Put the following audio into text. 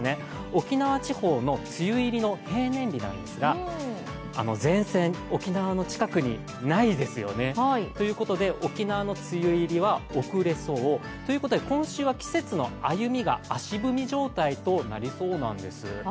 沖縄地方の梅雨入りの平年日なんですが前線、沖縄の近くにないですよね。ということで沖縄の梅雨入りは遅れそう。ということで今週は季節の歩みが足踏み状態となりそうなんです。